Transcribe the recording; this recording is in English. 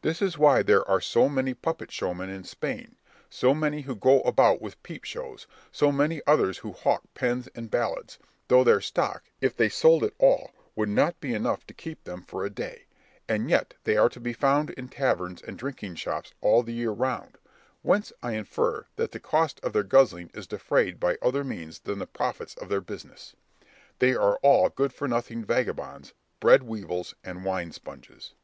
This is why there are so many puppet showmen in Spain, so many who go about with peep shows, so many others who hawk pens and ballads, though their stock, if they sold it all, would not be enough to keep them for a day; and yet they are to be found in taverns and drinking shops all the year round, whence I infer that the cost of their guzzling is defrayed by other means than the profits of their business. They are all good for nothing vagabonds, bread weevils and winesponges. Scip.